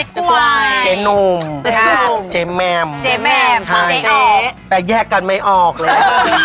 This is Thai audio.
เจ๊กวายเจ๊นุ่มเจ๊แม่มเจ๊แม่มเจ๊ออกแต่แยกกันไม่ออกเลย